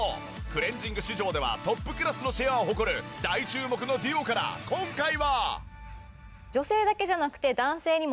クレンジング市場ではトップクラスのシェアを誇る大注目のＤＵＯから今回は。